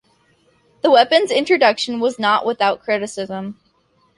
The weapon's introduction was not without criticism.